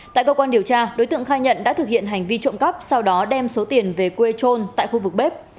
tại cơ quan điều tra đối tượng khai nhận đã thực hiện hành vi trộm cắp sau đó đem số tiền về quê trôn tại khu vực bếp